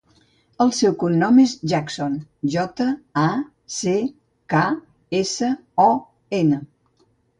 El seu cognom és Jackson: jota, a, ce, ca, essa, o, ena.